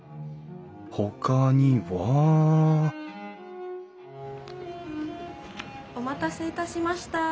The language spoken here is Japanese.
ほかにはお待たせいたしました。